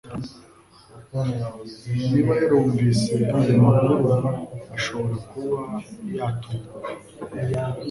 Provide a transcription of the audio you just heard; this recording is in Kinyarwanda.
Niba yarumvise ayo makuru, ashobora kuba yatunguwe